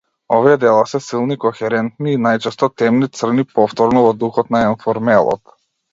Овие дела се силни, кохерентни и најчесто темни, црни, повторно во духот на енформелот.